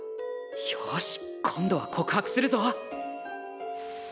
よし今度は告白するぞ！